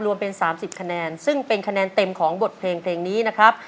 รวมเป็น๓๐คะแนนซึ่งเป็นคะแนนเต็มของบทเพลงเพลงนี้นะครับ